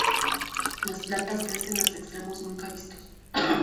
Las plantas crecen hasta extremos nunca vistos.